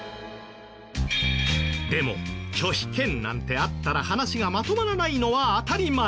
でも拒否権なんてあったら話がまとまらないのは当たり前。